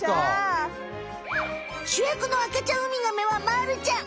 しゅやくの赤ちゃんウミガメはまるちゃん。